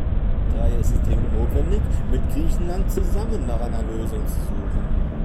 Daher ist es dringend notwendig, mit Griechenland zusammen nach einer Lösung zu suchen.